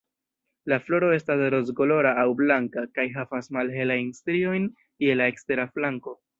La floro estas rozkolora aŭ blanka kaj havas malhelajn striojn je la ekstera flanko.